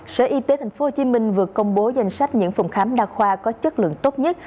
sở y tế tp hcm vừa công bố danh sách những phòng khám đa khoa có chất lượng tốt nhất